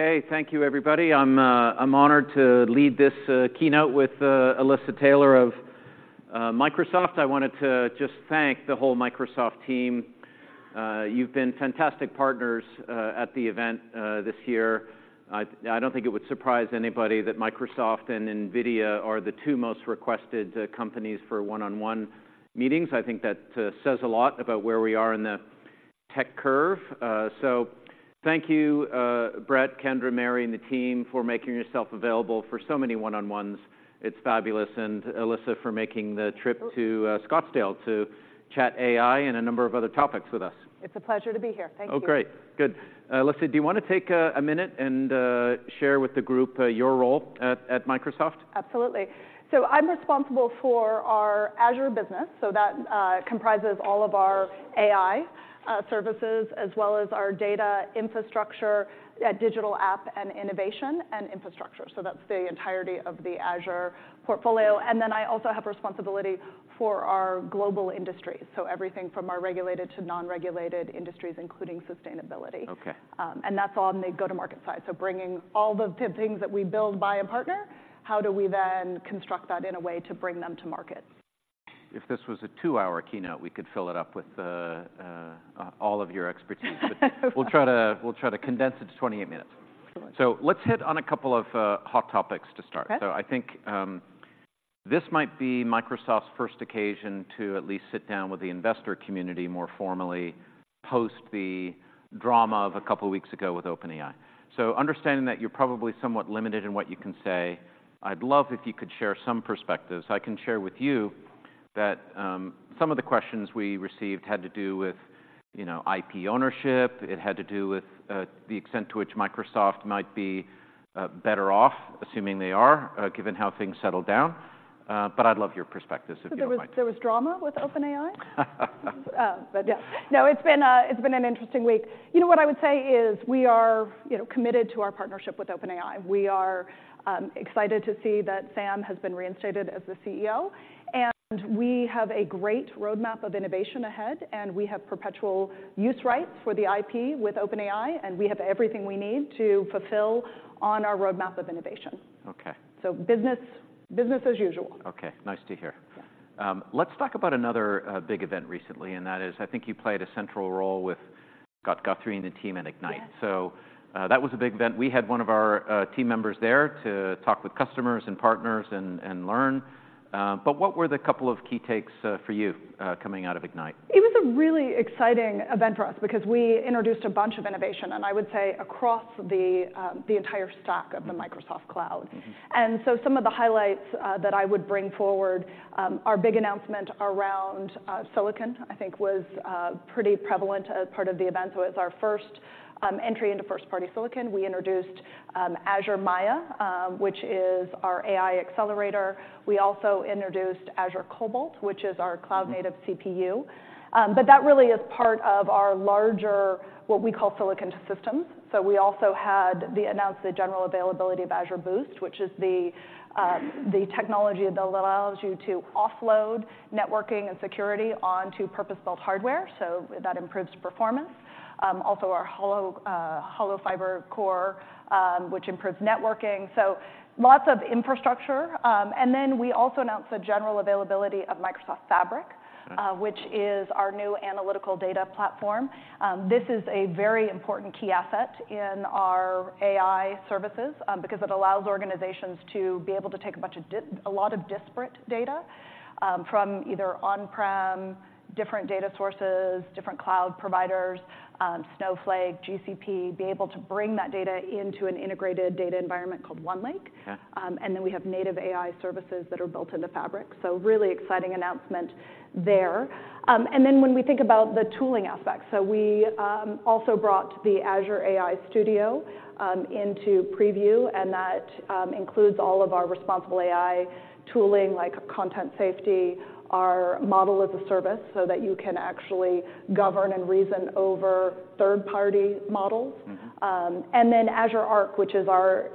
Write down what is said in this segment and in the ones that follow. Okay, thank you, everybody. I'm honored to lead this keynote with Alysa Taylor of Microsoft. I wanted to just thank the whole Microsoft team. You've been fantastic partners at the event this year. I don't think it would surprise anybody that Microsoft and NVIDIA are the two most requested companies for one-on-one meetings. I think that says a lot about where we are in the tech curve. So thank you, Brett, Kendra, Mary, and the team for making yourself available for so many one-on-ones. It's fabulous, and Alysa for making the trip to Scottsdale to chat AI and a number of other topics with us. It's a pleasure to be here. Thank you. Oh, great. Good. Alysa, do you wanna take a minute and share with the group your role at, at Microsoft? Absolutely. So I'm responsible for our Azure business, so that comprises all of our AI services, as well as our data infrastructure, digital app and innovation and infrastructure. So that's the entirety of the Azure portfolio. And then I also have responsibility for our global industry, so everything from our regulated to non-regulated industries, including sustainability. Okay. And that's all on the go-to-market side. So bringing all the things that we build, buy and partner, how do we then construct that in a way to bring them to market? If this was a two-hour keynote, we could fill it up with all of your expertise. But we'll try to, we'll try to condense it to 28 minutes. Excellent. Let's hit on a couple of hot topics to start. Okay. So I think, this might be Microsoft's first occasion to at least sit down with the investor community more formally, post the drama of a couple of weeks ago with OpenAI. So understanding that you're probably somewhat limited in what you can say, I'd love if you could share some perspectives. I can share with you that, some of the questions we received had to do with, you know, IP ownership. It had to do with, the extent to which Microsoft might be, better off, assuming they are, given how things settled down. But I'd love your perspectives, if you don't mind. So there was drama with OpenAI? But yeah. No, it's been an interesting week. You know, what I would say is we are, you know, committed to our partnership with OpenAI. We are excited to see that Sam has been reinstated as the CEO, and we have a great roadmap of innovation ahead, and we have perpetual use rights for the IP with OpenAI, and we have everything we need to fulfill on our roadmap of innovation. Okay. Business, business as usual. Okay, nice to hear. Let's talk about another big event recently, and that is, I think you played a central role with Scott Guthrie and the team at Ignite. Yeah. So, that was a big event. We had one of our team members there to talk with customers and partners and learn. But what were the couple of key takes, for you, coming out of Ignite? It was a really exciting event for us because we introduced a bunch of innovation, and I would say across the, the entire stack of the Microsoft Cloud. And so some of the highlights that I would bring forward our big announcement around silicon, I think was pretty prevalent as part of the event. So it's our first entry into first-party silicon. We introduced Azure Maia, which is our AI accelerator. We also introduced Azure Cobalt, which is our cloud native CPU. But that really is part of our larger, what we call silicon to systems. So we also announced the general availability of Azure Boost, which is the technology that allows you to offload networking and security onto purpose-built hardware, so that improves performance. Also our Hollow Core Fiber, which improves networking. So lots of infrastructure. And then we also announced the general availability of Microsoft Fabric which is our new analytical data platform. This is a very important key asset in our AI services, because it allows organizations to be able to take a bunch of a lot of disparate data, from either on-prem, different data sources, different cloud providers, Snowflake, GCP, be able to bring that data into an integrated data environment called OneLake. Yeah. And then we have native AI services that are built into Fabric. So really exciting announcement there. And then when we think about the tooling aspect, so we also brought the Azure AI Studio into preview, and that includes all of our responsible AI tooling, like content safety, our Model-as-a-Service, so that you can actually govern and reason over third-party models. Mm-hmm. And then Azure Arc, which is our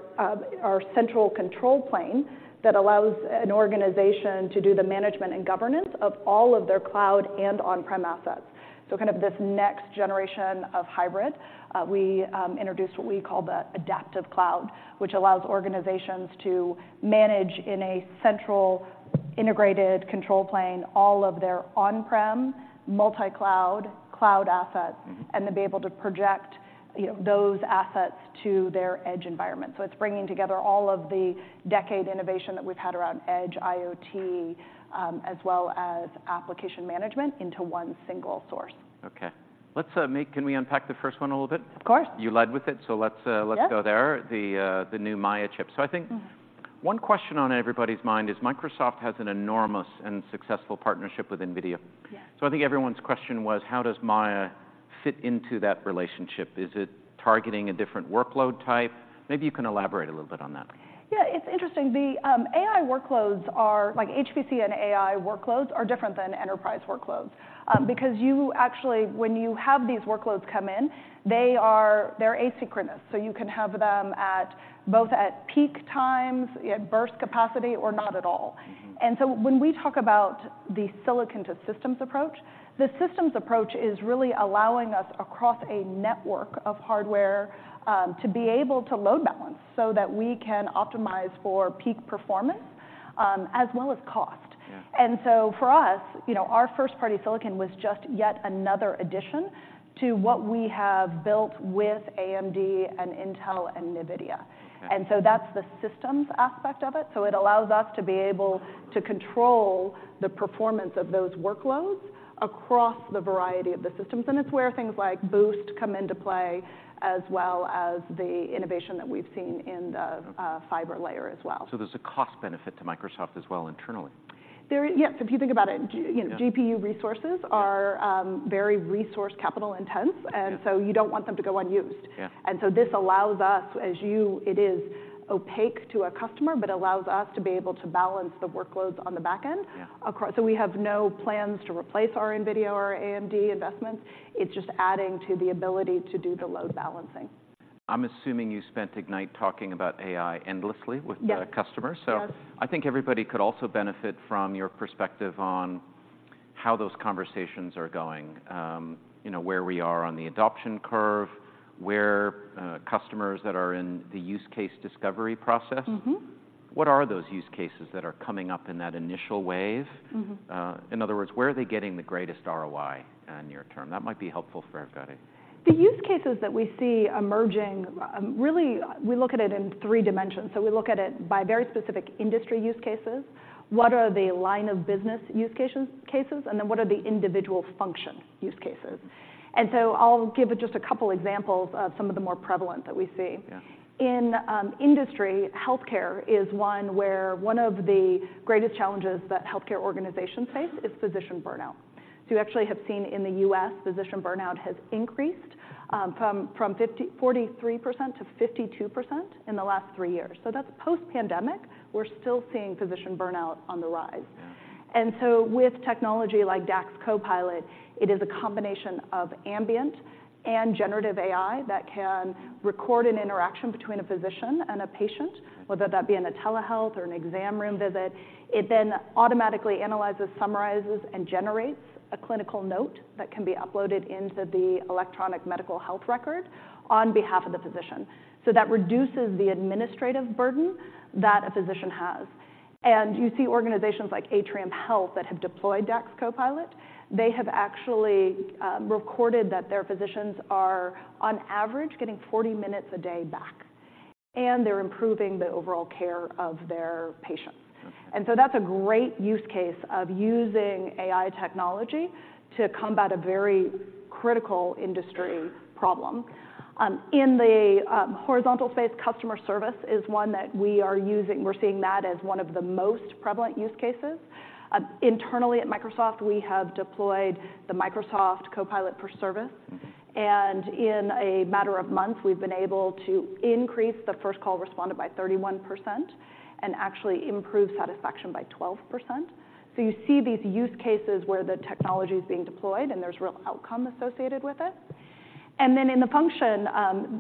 central control plane, that allows an organization to do the management and governance of all of their cloud and on-prem assets. So kind of this next generation of hybrid, we introduced what we call the Adaptive Cloud, which allows organizations to manage in a central, integrated control plane, all of their on-prem, multi-cloud, cloud assets and to be able to project, you know, those assets to their edge environment. So it's bringing together all of the decade innovation that we've had around Edge, IoT, as well as application management into one single source. Okay. Can we unpack the first one a little bit? Of course. You led with it, so let's go there, the new Maia chip. I think one question on everybody's mind is Microsoft has an enormous and successful partnership with NVIDIA. Yeah. I think everyone's question was, how does Maia fit into that relationship? Is it targeting a different workload type? Maybe you can elaborate a little bit on that. Yeah, it's interesting. The AI workloads are—like, HPC and AI workloads are different than enterprise workloads. Because when you have these workloads come in, they are, they're asynchronous, so you can have them at both at peak times, at burst capacity or not at all. And so when we talk about the silicon to systems approach, the systems approach is really allowing us across a network of hardware to be able to load balance so that we can optimize for peak performance, as well as cost. Yeah. And so for us, you know, our first-party silicon was just yet another addition to what we have built with AMD and Intel and NVIDIA. That's the systems aspect of it. It allows us to be able to control the performance of those workloads across the variety of the systems. It's where things like Boost come into play, as well as the innovation that we've seen in the fiber layer as well. There's a cost benefit to Microsoft as well internally? Yes, if you think about it GPU resources are very resource and capital intensive. Yeah And so you don't want them to go unused. Yeah. So this allows us. It is opaque to a customer, but allows us to be able to balance the workloads on the back end. Yeah So we have no plans to replace our NVIDIA or AMD investments. It's just adding to the ability to do the load balancing. I'm assuming you spent Ignite talking about AI endlessly with the customers. Yes. So I think everybody could also benefit from your perspective on how those conversations are going. You know, where we are on the adoption curve, where customers that are in the use case discovery process. What are those use cases that are coming up in that initial wave? Mm-hmm. In other words, where are they getting the greatest ROI, near term? That might be helpful for everybody. The use cases that we see emerging, really, we look at it in three dimensions. So we look at it by very specific industry use cases. What are the line of business use cases? And then what are the individual function use cases? And so I'll give just a couple examples of some of the more prevalent that we see. Yeah. In industry, healthcare is one where one of the greatest challenges that healthcare organizations face is physician burnout. So you actually have seen in the U.S., physician burnout has increased from 43% to 52% in the last three years. So that's post-pandemic, we're still seeing physician burnout on the rise. Yeah. And so with technology like DAX Copilot, it is a combination of ambient and generative AI that can record an interaction between a physician and a patient, whether that be in a telehealth or an exam room visit. It then automatically analyzes, summarizes, and generates a clinical note that can be uploaded into the electronic medical health record on behalf of the physician. So that reduces the administrative burden that a physician has. You see organizations like Atrium Health that have deployed DAX Copilot. They have actually recorded that their physicians are, on average, getting 40 minutes a day back, and they're improving the overall care of their patients. And so that's a great use case of using AI technology to combat a very critical industry problem. In the horizontal space, customer service is one that we are using. We're seeing that as one of the most prevalent use cases. Internally at Microsoft, we have deployed the Microsoft Copilot for Service. In a matter of months, we've been able to increase the first call responded by 31% and actually improve satisfaction by 12%. So you see these use cases where the technology is being deployed, and there's real outcome associated with it. Then in the function,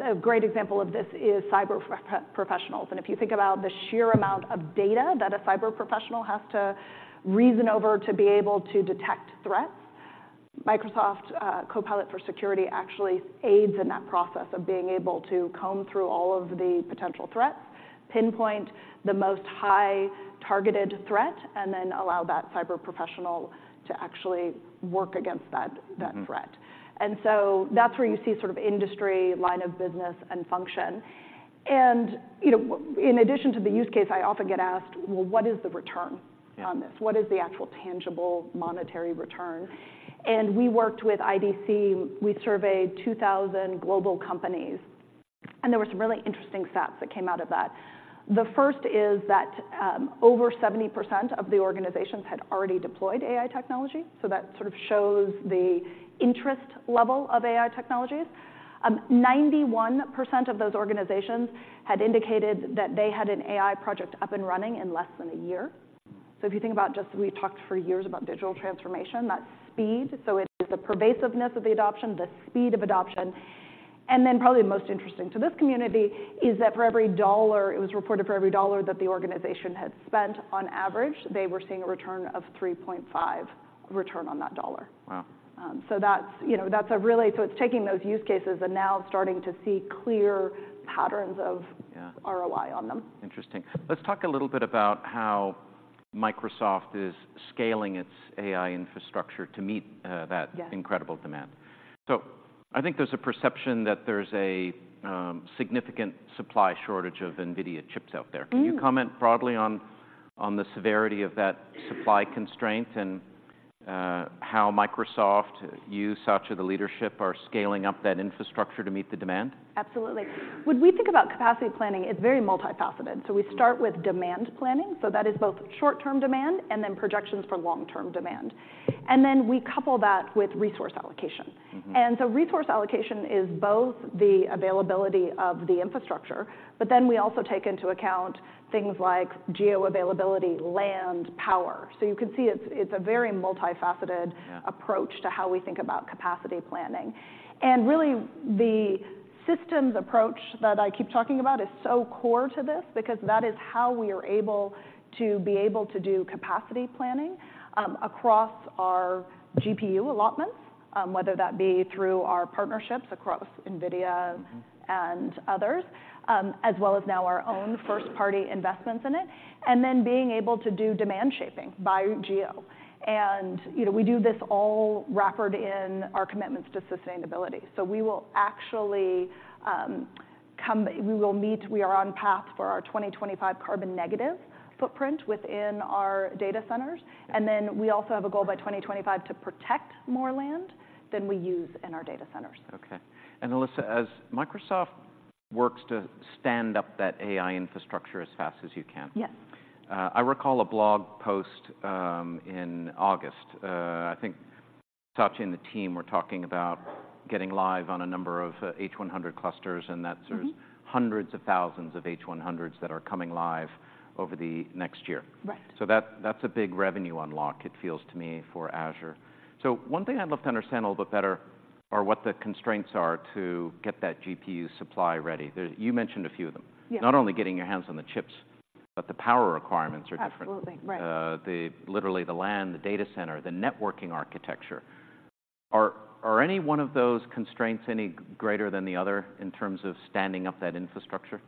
a great example of this is cyber professionals. If you think about the sheer amount of data that a cyber professional has to reason over to be able to detect threats, Microsoft Copilot for Security actually aids in that process of being able to comb through all of the potential threats, pinpoint the most high targeted threat, and then allow that cyber professional to actually work against that threat. And so that's where you see sort of industry line of business and function. And, you know, in addition to the use case, I often get asked: Well, what is the return on this? Yeah. What is the actual tangible monetary return? We worked with IDC. We surveyed 2,000 global companies, and there were some really interesting stats that came out of that. The first is that, over 70% of the organizations had already deployed AI technology, so that sort of shows the interest level of AI technologies. 91% of those organizations had indicated that they had an AI project up and running in less than a year. If you think about just we've talked for years about digital transformation, that's speed. It is the pervasiveness of the adoption, the speed of adoption, and then probably the most interesting to this community is that for every $1, it was reported, for every $1 that the organization had spent, on average, they were seeing a return of 3.5x return on that dollar. Wow! So that's, you know, so it's taking those use cases and now starting to see clear patterns of ROI on them. Interesting. Let's talk a little bit about how Microsoft is scaling its AI infrastructure to meet that incredible demand. So I think there's a perception that there's a significant supply shortage of NVIDIA chips out there. Mm. Can you comment broadly on the severity of that supply constraint and how Microsoft, you, Satya, the leadership, are scaling up that infrastructure to meet the demand? Absolutely. When we think about capacity planning, it's very multifaceted. We start with demand planning, so that is both short-term demand and then projections for long-term demand. Then we couple that with resource allocation. And so resource allocation is both the availability of the infrastructure, but then we also take into account things like geo availability, land, power. So you can see it's a very multifaceted-approach to how we think about capacity planning. And really, the systems approach that I keep talking about is so core to this because that is how we are able to be able to do capacity planning across our GPU allotments, whether that be through our partnerships across NVIDIA and others, as well as now our own first-party investments in it, and then being able to do demand shaping by geo. And, you know, we do this all wrapped in our commitments to sustainability. So we will actually, we are on path for our 2025 carbon negative footprint within our data centers, and then we also have a goal by 2025 to protect more land than we use in our data centers. Okay. And Alysa, as Microsoft works to stand up that AI infrastructure as fast as you can. Yes. I recall a blog post in August. I think Satya and the team were talking about getting live on a number of H100 clusters, and that there's hundreds of thousands of H100s that are coming live over the next year. Right. So that, that's a big revenue unlock, it feels to me, for Azure. So one thing I'd love to understand a little bit better are what the constraints are to get that GPU supply ready. There, you mentioned a few of them. Yeah. Not only getting your hands on the chips, but the power requirements are different. Absolutely. Right. Literally the land, the data center, the networking architecture. Are any one of those constraints any greater than the other in terms of standing up that infrastructure?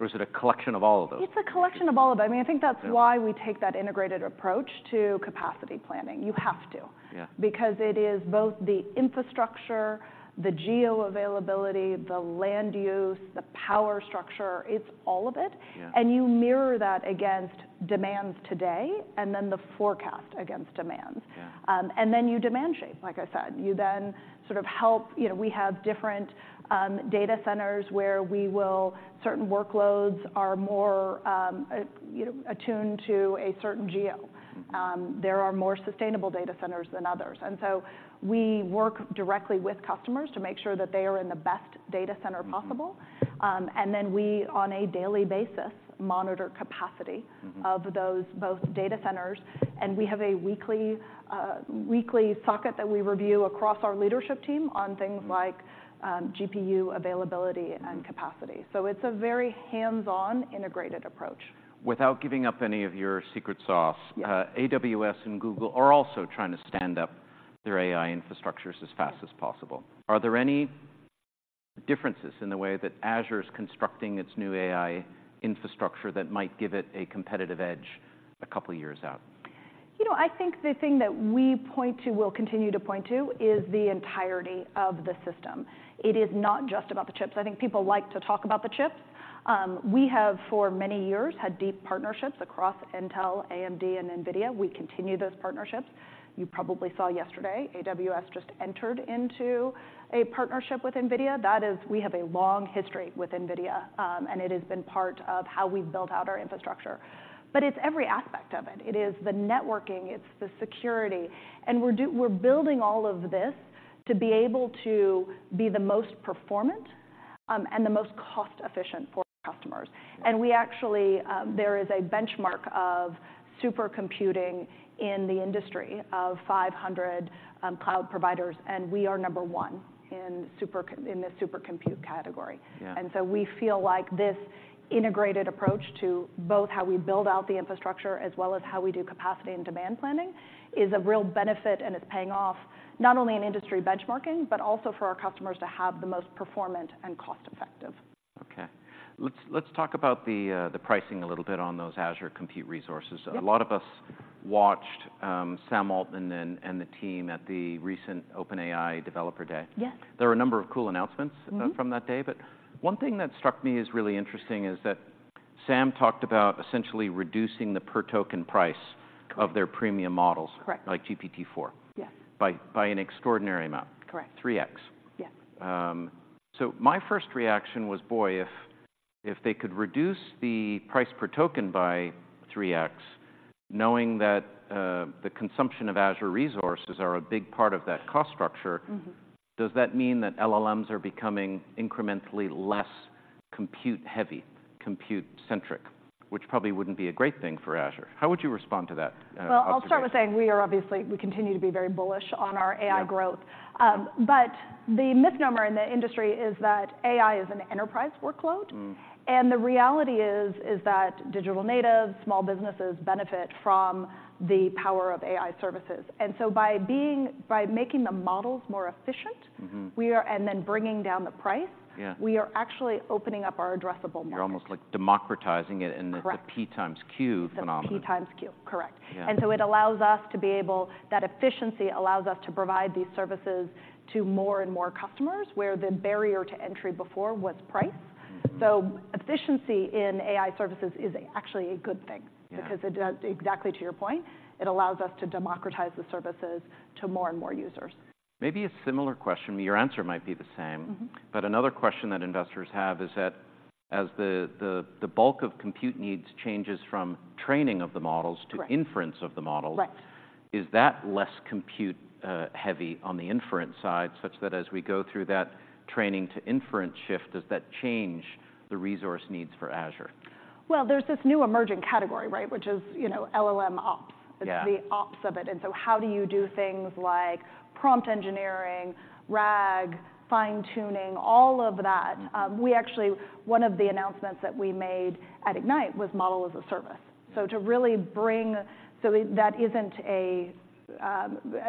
Or is it a collection of all of those? It's a collection of all of them. I mean, I think that's why we take that integrated approach to capacity planning. You have to. Yeah. Because it is both the infrastructure, the geo availability, the land use, the power structure, it's all of it. Yeah. You mirror that against demands today, and then the forecast against demands. Yeah. And then you demand shape, like I said. You know, we have different data centers where certain workloads are more, you know, attuned to a certain geo. There are more sustainable data centers than others, and so we work directly with customers to make sure that they are in the best data center possible. And then we, on a daily basis, monitor capacity of those, both data centers, and we have a weekly socket that we review across our leadership team on things like, GPU availability and capacity. So it's a very hands-on, integrated approach. Without giving up any of your secret sauce. Yeah AWS and Google are also trying to stand up their AI infrastructures as fast as possible. Are there any differences in the way that Azure is constructing its new AI infrastructure that might give it a competitive edge a couple of years out? You know, I think the thing that we point to, we'll continue to point to, is the entirety of the system. It is not just about the chips. I think people like to talk about the chips. We have, for many years, had deep partnerships across Intel, AMD, and NVIDIA. We continue those partnerships. You probably saw yesterday, AWS just entered into a partnership with NVIDIA. That is, we have a long history with NVIDIA, and it has been part of how we've built out our infrastructure. But it's every aspect of it. It is the networking, it's the security, and we're building all of this to be able to be the most performant, and the most cost-efficient for customers. And we actually, there is a benchmark of supercomputing in the industry of 500 cloud providers, and we are number one in the supercompute category. Yeah. And so we feel like this integrated approach to both how we build out the infrastructure as well as how we do capacity and demand planning, is a real benefit, and it's paying off not only in industry benchmarking, but also for our customers to have the most performant and cost-effective. Okay. Let's talk about the pricing a little bit on those Azure compute resources. Yeah. A lot of us watched Sam Altman and the team at the recent OpenAI Developer Day. Yes. There were a number of cool announcements from that day, but one thing that struck me as really interesting is that Sam talked about essentially reducing the per-token price of their premium models like GPT-4 by an extraordinary amount. Correct. 3x. Yes. So, my first reaction was, boy, if, if they could reduce the price per token by 3x, knowing that, the consumption of Azure resources are a big part of that cost structure does that mean that LLMs are becoming incrementally less compute-heavy, compute-centric? Which probably wouldn't be a great thing for Azure. How would you respond to that, observation? Well, I'll start by saying we continue to be very bullish on our AI growth. But the misnomer in the industry is that AI is an enterprise workload. The reality is, is that digital natives, small businesses, benefit from the power of AI services. So by making the models more efficient, we are, and then bringing down the price, we are actually opening up our addressable market. You're almost, like, democratizing it in the P times Q phenomenon. The P times Q, correct. Yeah. And so that efficiency allows us to provide these services to more and more customers, where the barrier to entry before was price. Efficiency in AI services is actually a good thing. Yeah. Because it, exactly to your point, it allows us to democratize the services to more and more users. Maybe a similar question, but your answer might be the same. But another question that investors have is that, as the bulk of compute needs changes from training of the models to inference of the model. Is that less compute, heavy on the inference side, such that as we go through that training to inference shift, does that change the resource needs for Azure? Well, there's this new emerging category, right? Which is, you know, LLMOps. Yeah. It's the ops of it, and so how do you do things like prompt engineering, RAG, fine-tuning, all of that. We actually, one of the announcements that we made at Ignite was Model-as-a-Service. So to really bring- that isn't a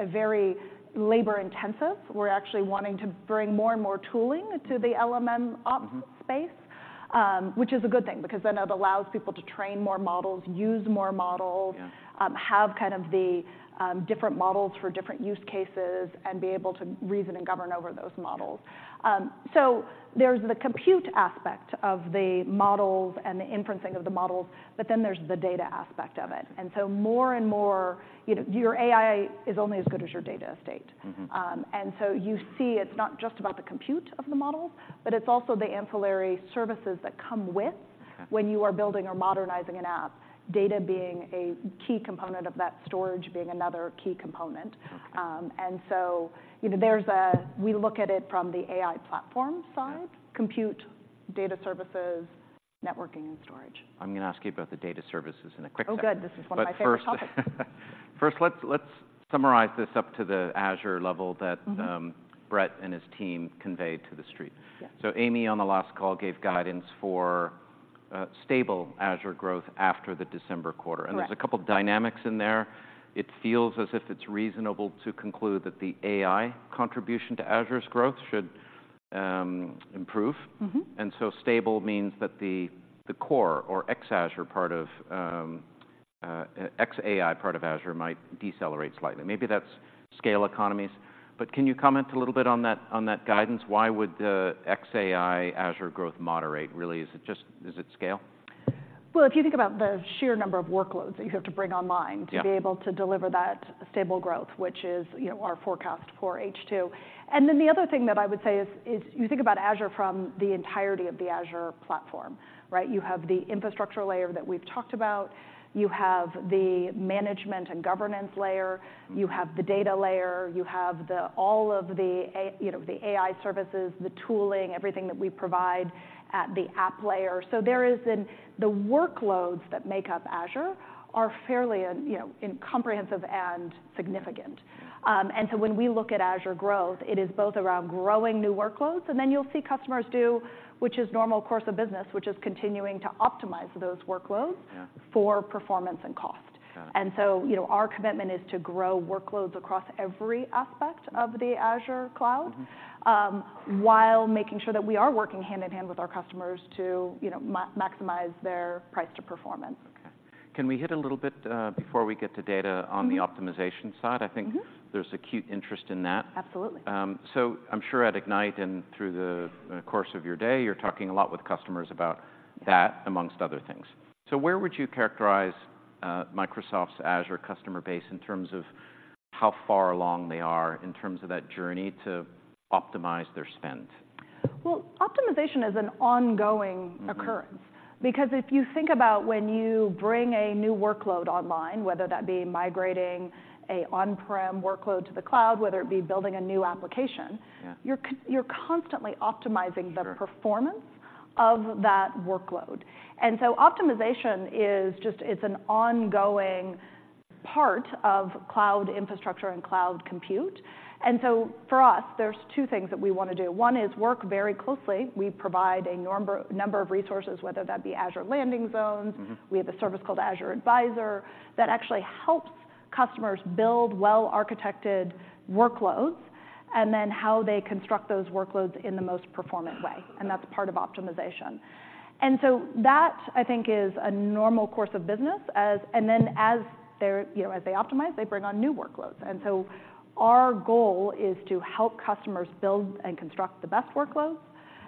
very labor-intensive, we're actually wanting to bring more and more tooling to the LLM ops space, which is a good thing, because then it allows people to train more models, use more models, have kind of the different models for different use cases, and be able to reason and govern over those models. So there's the compute aspect of the models and the inferencing of the models, but then there's the data aspect of it, and so more and more, you know, your AI is only as good as your data estate. Mm-hmm. And so you see it's not just about the compute of the model, but it's also the ancillary services that come with when you are building or modernizing an app, data being a key component of that storage being another key component. And so, you know, We look at it from the AI platform side, compute, data services, networking, and storage. I'm gonna ask you about the data services in a quick second. Oh, good. This is one of my favorite topics. But first, let's summarize this up to the Azure level that Brett and his team conveyed to the Street. Amy, on the last call, gave guidance for stable Azure growth after the December quarter. Correct. There's a couple dynamics in there. It feels as if it's reasonable to conclude that the AI contribution to Azure's growth should improve. And so stable means that the core or ex-AI part of ex-AI part of Azure might decelerate slightly. Maybe that's scale economies, but can you comment a little bit on that, on that guidance? Why would the ex-AI Azure growth moderate, really? Is it just- is it scale? Well, if you think about the sheer number of workloads that you have to bring online to be able to deliver that stable growth, which is, you know, our forecast for H2. And then the other thing that I would say is you think about Azure from the entirety of the Azure platform, right? You have the infrastructure layer that we've talked about. You have the management and governance layer. You have the data layer. You have you know, the AI services, the tooling, everything that we provide at the app layer. So there is The workloads that make up Azure are fairly, you know, comprehensive and significant. And so when we look at Azure growth, it is both around growing new workloads, and then you'll see customers do, which is normal course of business, which is continuing to optimize those workloads for performance and cost. Yeah. You know, our commitment is to grow workloads across every aspect of the Azure cloud, while making sure that we are working hand-in-hand with our customers to, you know, maximize their price to performance. Okay. Can we hit a little bit, before we get to data on the optimization side? I think there's acute interest in that. Absolutely. So I'm sure at Ignite and through the course of your day, you're talking a lot with customers about that, amongst other things. So where would you characterize Microsoft's Azure customer base in terms of how far along they are in terms of that journey to optimize their spend? Well, optimization is an ongoing occurrence because if you think about when you bring a new workload online, whether that be migrating a on-prem workload to the cloud, whether it be building a new application, you're constantly optimizing the performance of that workload. And so optimization is just, it's an ongoing part of cloud infrastructure and cloud compute. And so for us, there's two things that we wanna do. One is work very closely. We provide a number of resources, whether that be Azure Landing Zones. Mm-hmm. We have a service called Azure Advisor that actually helps customers build well-architected workloads, and then how they construct those workloads in the most performant way, and that's part of optimization. And so that, I think, is a normal course of business and then as they're, you know, as they optimize, they bring on new workloads. And so our goal is to help customers build and construct the best workloads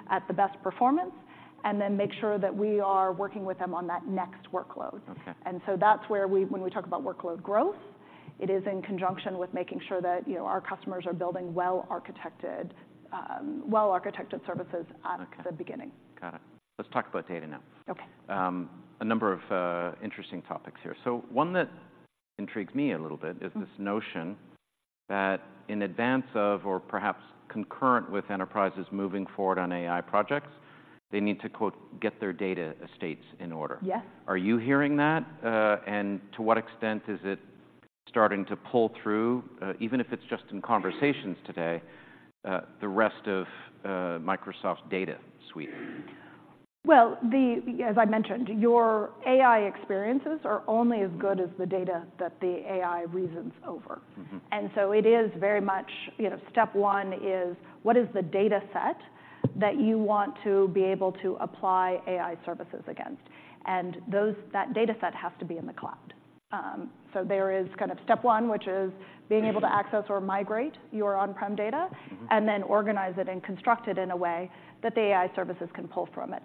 at the best performance, and then make sure that we are working with them on that next workload. Okay. And so that's where we, when we talk about workload growth, it is in conjunction with making sure that, you know, our customers are building well-architected services at the beginning. Got it. Let's talk about data now. Okay. A number of interesting topics here. So one that intrigues me a little bit is this notion that in advance of, or perhaps concurrent with enterprises moving forward on AI projects, they need to quote, "get their data estates in order. Yes. Are you hearing that? And to what extent is it starting to pull through, even if it's just in conversations today, the rest of Microsoft's data suite? Well, as I mentioned, your AI experiences are only as good as the data that the AI reasons over. And so it is very much, you know, step one is: What is the data set that you want to be able to apply AI services against? And those, that data set has to be in the cloud. So there is kind of step one, which is being able to access or migrate your on-prem data and then organize it and construct it in a way that the AI services can pull from it.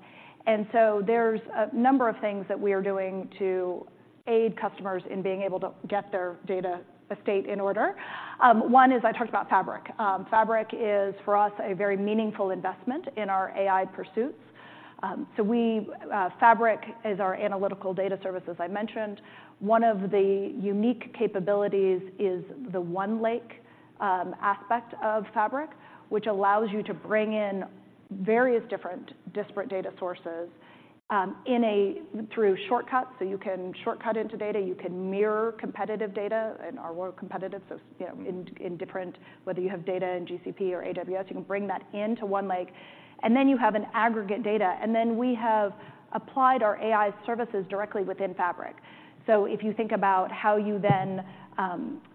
So there's a number of things that we are doing to aid customers in being able to get their data estate in order. One is, I talked about Fabric. Fabric is, for us, a very meaningful investment in our AI pursuits. Fabric is our analytical data service, as I mentioned. One of the unique capabilities is the OneLake aspect of Fabric, which allows you to bring in various different disparate data sources in a through shortcuts, so you can shortcut into data, you can mirror competitive data and our world competitive. So, you know, in different, whether you have data in GCP or AWS, you can bring that into OneLake, and then you have an aggregate data, and then we have applied our AI services directly within Fabric. So if you think about how you then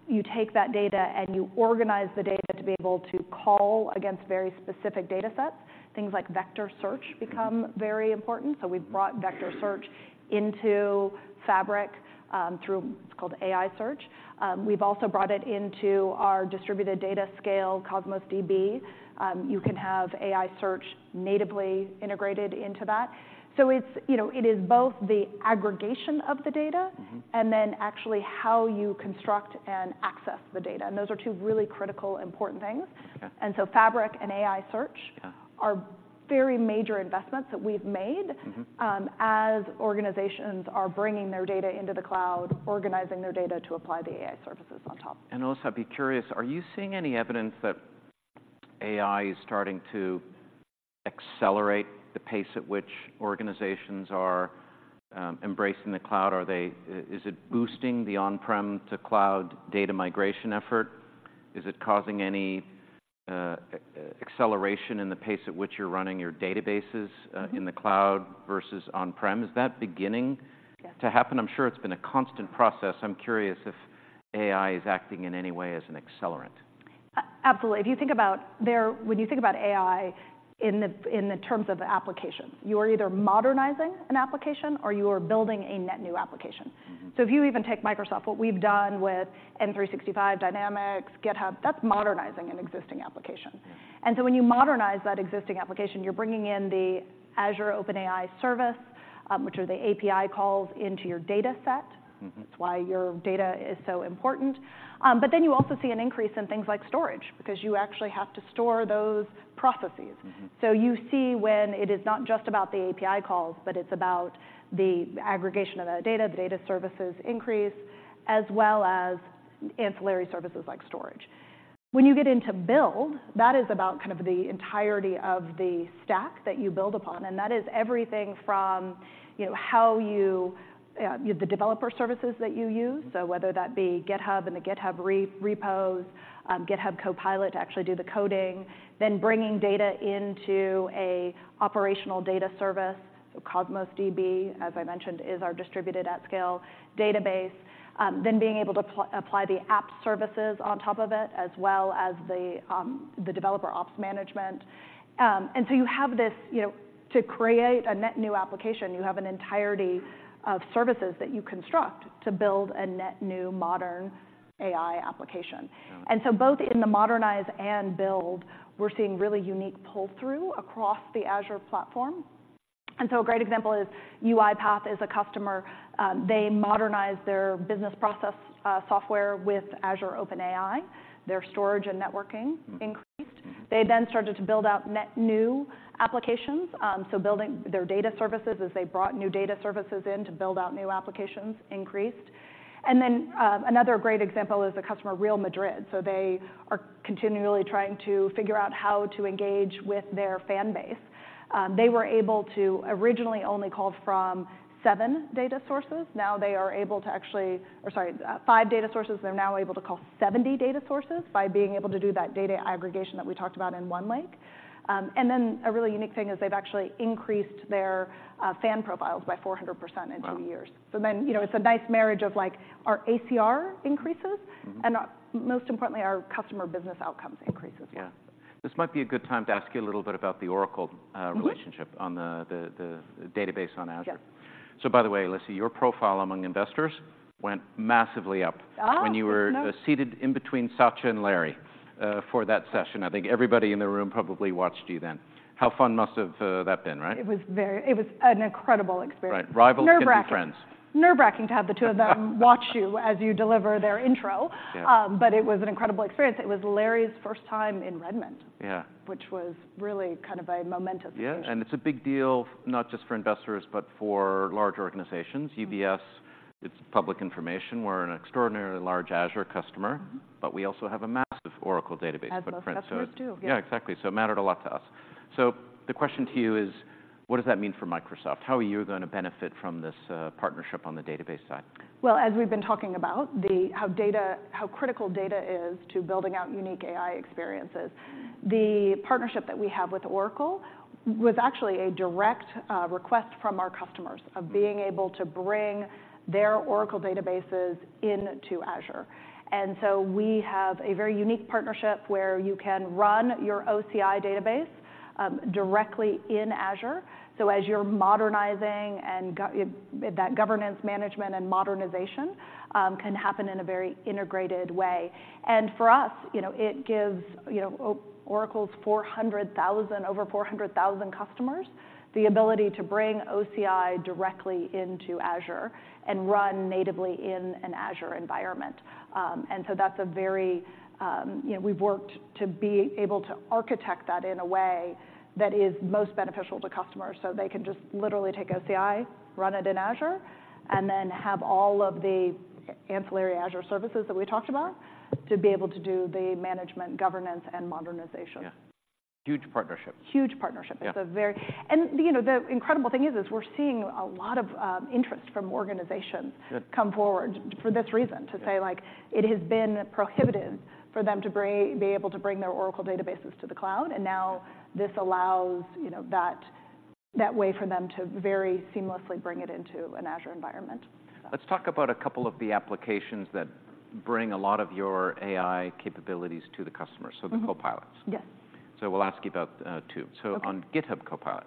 you take that data and you organize the data to be able to call against very specific data sets, things like vector search become very important. So we've brought vector search into Fabric through, it's called AI Search. We've also brought it into our distributed data scale, Cosmos DB. You can have AI Search natively integrated into that. So it's, you know, it is both the aggregation of the data and then actually how you construct and access the data, and those are two really critical, important things. Fabric and AI Search are very major investments that we've made. As organizations are bringing their data into the cloud, organizing their data to apply the AI services on top. Also, I'd be curious, are you seeing any evidence that AI is starting to accelerate the pace at which organizations are embracing the cloud? Is it boosting the on-prem to cloud data migration effort? Is it causing any acceleration in the pace at which you're running your databases in the cloud versus on-prem? Is that beginning to happen? I'm sure it's been a constant process. I'm curious if AI is acting in any way as an accelerant. Absolutely. When you think about AI in the terms of the application, you are either modernizing an application or you are building a net new application. If you even take Microsoft, what we've done with M365, Dynamics, GitHub, that's modernizing an existing application. When you modernize that existing application, you're bringing in the Azure OpenAI Service, which are the API calls into your data set. That's why your data is so important. But then you also see an increase in things like storage, because you actually have to store those processes. So you see when it is not just about the API calls, but it's about the aggregation of that data, the data services increase, as well as ancillary services like storage. When you get into build, that is about kind of the entirety of the stack that you build upon, and that is everything from, you know, how you, the developer services that you use. So whether that be GitHub and the GitHub repos, GitHub Copilot to actually do the coding, then bringing data into a operational data service. So Cosmos DB, as I mentioned, is our distributed at scale database. Then being able to apply the app services on top of it, as well as the, the developer ops management. And so you have this, you know, to create a net new application, you have an entirety of services that you construct to build a net new modern AI application. Yeah. And so both in the modernize and build, we're seeing really unique pull-through across the Azure platform. And so a great example is UiPath is a customer. They modernized their business process software with Azure OpenAI. Their storage and networking increased. They then started to build out net new applications. So building their data services as they brought new data services in to build out new applications increased. And then, another great example is the customer, Real Madrid. So they are continually trying to figure out how to engage with their fan base. They were able to originally only call from seven data sources. Now, they are able to actually or sorry, five data sources, they're now able to call 70 data sources by being able to do that data aggregation that we talked about in OneLake. And then a really unique thing is they've actually increased their, fan profiles by 400% in two years. Wow! So then, you know, it's a nice marriage of like, our ACR increases and most importantly, our customer business outcomes increases. Yeah. This might be a good time to ask you a little bit about the Oracle relationship on the database on Azure. Yeah. By the way, Alysa, your profile among investors went massively up. Ah, good to know. When you were seated in between Satya and Larry for that session. I think everybody in the room probably watched you then. How fun must have that been, right? It was an incredible experience. Right. Rivals and friends. Nerve-wracking. Nerve-wracking to have the two of them watch you as you deliver their intro. Yeah. But it was an incredible experience. It was Larry's first time in Redmond which was really kind of a momentous occasion. Yeah, and it's a big deal, not just for investors, but for large organizations. UBS, it's public information, we're an extraordinarily large Azure customer, but we also have a massive Oracle database. As most customers do. Yeah, exactly. So it mattered a lot to us. So the question to you is: What does that mean for Microsoft? How are you gonna benefit from this, partnership on the database side? Well, as we've been talking about, how critical data is to building out unique AI experiences, the partnership that we have with Oracle was actually a direct request from our customers of being able to bring their Oracle databases into Azure. And so we have a very unique partnership where you can run your OCI database directly in Azure. So as you're modernizing, that governance management and modernization can happen in a very integrated way. And for us, you know, it gives, you know, Oracle's 400,000, over 400,000 customers, the ability to bring OCI directly into Azure and run natively in an Azure environment. You know, we've worked to be able to architect that in a way that is most beneficial to customers, so they can just literally take OCI, run it in Azure, and then have all of the ancillary Azure services that we talked about, to be able to do the management, governance, and modernization. Yeah. Huge partnership. Huge partnership. Yeah. You know, the incredible thing is, is we're seeing a lot of interest from organizations. Good Come forward for this reason, to say, like, it has been prohibitive for them to be able to bring their Oracle databases to the cloud, and now this allows, you know, that way for them to very seamlessly bring it into an Azure environment. Let's talk about a couple of the applications that bring a lot of your AI capabilities to the customer. So the Copilots. Yes. So we'll ask you about two. Okay. So on GitHub Copilot,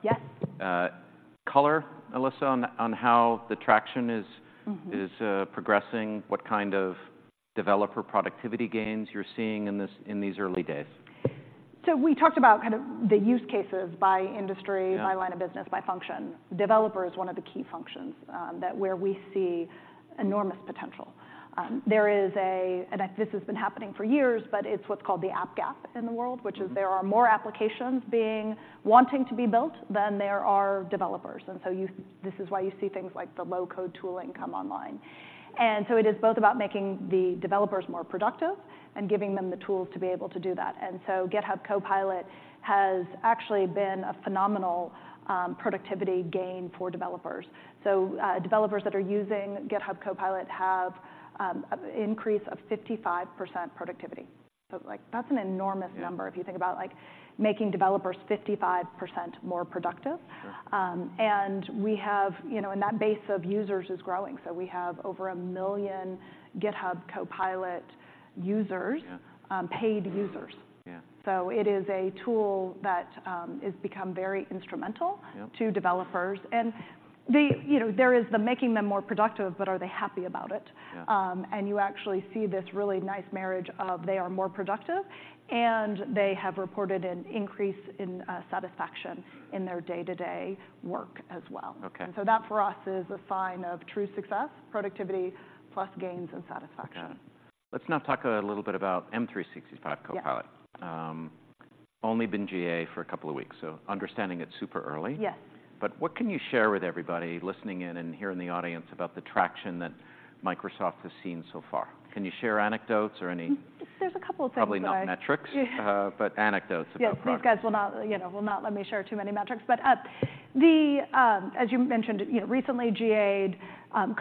color, Alysa, on how the traction is progressing, what kind of developer productivity gains you're seeing in this, in these early days? We talked about kind of the use cases by industry, by line of business, by function. Developer is one of the key functions where we see enormous potential. This has been happening for years, but it's what's called the app gap in the world which is there are more applications wanting to be built, than there are developers. And so you, this is why you see things like the low-code tooling come online. And so it is both about making the developers more productive and giving them the tools to be able to do that. And so GitHub Copilot has actually been a phenomenal productivity gain for developers. So, developers that are using GitHub Copilot have an increase of 55% productivity. So, like, that's an enormous number if you think about, like, making developers 55% more productive. Sure. And we have, you know, and that base of users is growing, so we have over 1 million GitHub Copilot users, paid users. Yeah. It is a tool that has become very instrumental to developers. You know, there is the making them more productive, but are they happy about it? Yeah. You actually see this really nice marriage of they are more productive, and they have reported an increase in satisfaction in their day-to-day work as well. Okay. That, for us, is a sign of true success, productivity, plus gains and satisfaction. Yeah. Let's now talk a little bit about M365 Copilot. Yeah. Only been GA for a couple of weeks, so understanding it's super early. Yes. What can you share with everybody listening in and here in the audience about the traction that Microsoft has seen so far? Can you share anecdotes? There's a couple of things that I. Probably not metrics. Yeah. But anecdotes about the product. Yes, these guys will not, you know, will not let me share too many metrics. But, the, as you mentioned, you know, recently GA'd,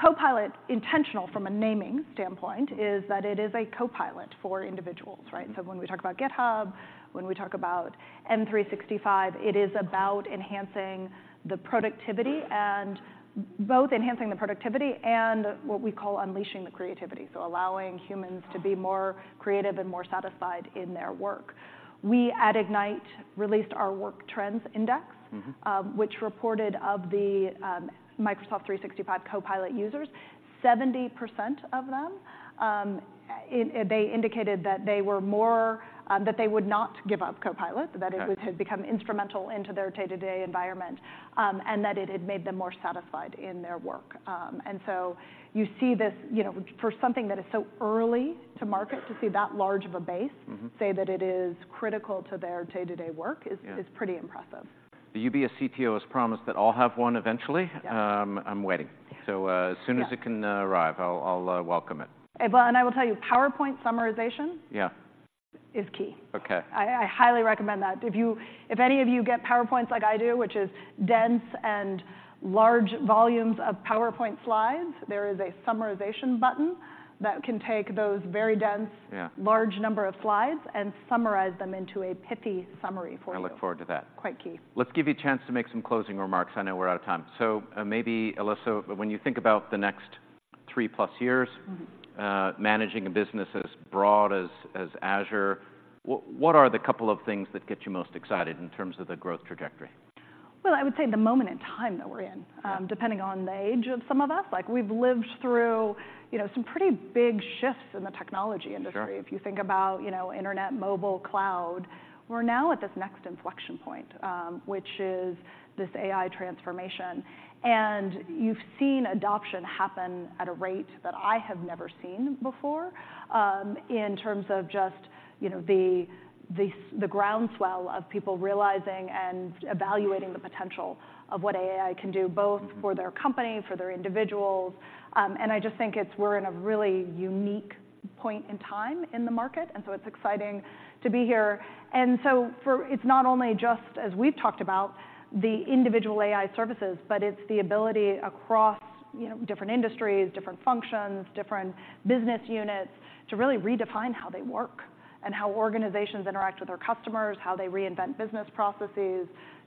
Copilot, intentional from a naming standpoint, is that it is a copilot for individuals, right? And so when we talk about GitHub, when we talk about M365, it is about enhancing the productivity and, both enhancing the productivity and what we call unleashing the creativity, so allowing humans to be more creative and more satisfied in their work. We, at Ignite, released our Work Trends Index which reported of the Microsoft 365 Copilot users, 70% of them, they indicated that they were more, that they would not give up Copilot that it had become instrumental into their day-to-day environment, and that it had made them more satisfied in their work. And so you see this, you know, for something that is so early to market, to see that large of a base say that it is critical to their day-to-day work is pretty impressive. The UBS CTO has promised that I'll have one eventually. Yeah. I'm waiting. So, mas soon as it can arrive, I'll welcome it. Well, I will tell you, PowerPoint summarization? Yeah Is key. Okay. I highly recommend that. If any of you get PowerPoints like I do, which is dense and large volumes of PowerPoint slides, there is a summarization button that can take those very dense large number of slides and summarize them into a pithy summary for you. I look forward to that. Quite a key. Let's give you a chance to make some closing remarks. I know we're out of time. So, maybe, Alysa, when you think about the next three-plus years managing a business as broad as Azure, what are the couple of things that get you most excited in terms of the growth trajectory? Well, I would say the moment in time that we're in. Depending on the age of some of us, like, we've lived through, you know, some pretty big shifts in the technology industry. Sure. If you think about, you know, internet, mobile, cloud, we're now at this next inflection point, which is this AI transformation, and you've seen adoption happen at a rate that I have never seen before, in terms of just, you know, the groundswell of people realizing and evaluating the potential of what AI can do both for their company, for their individuals. And I just think it's we're in a really unique point in time in the market, and so it's exciting to be here. And so it’s not only just, as we've talked about, the individual AI services, but it's the ability across, you know, different industries, different functions, different business units, to really redefine how they work and how organizations interact with their customers, how they reinvent business processes.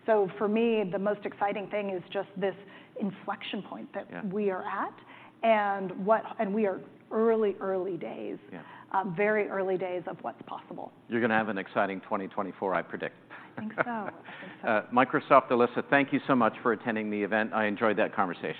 So for me, the most exciting thing is just this inflection point that we are at and we are early, early days, very early days of what's possible. You're gonna have an exciting 2024, I predict. I think so. Microsoft, Alysa, thank you so much for attending the event. I enjoyed that conversation.